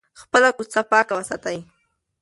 خپله کوڅه پاکه وساتئ.